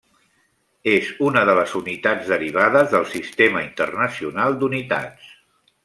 És una de les unitats derivades del Sistema Internacional d'Unitats.